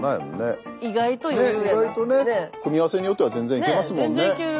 組み合わせによっては全然いけますもんね。